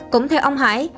cũng theo ông hải